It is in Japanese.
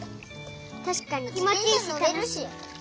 たしかにきもちいいしたのしい。